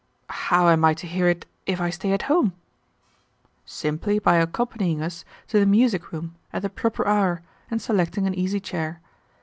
"How am I to hear it if I stay at home?" "Simply by accompanying us to the music room at the proper hour and selecting an easy chair.